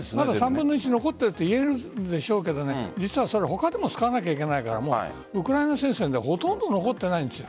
３分の１、残っているといえるんでしょうけど実は他でも使わなければいけないからウクライナ戦線でほとんど残っていないんです。